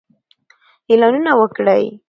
اعلانونه وکړئ.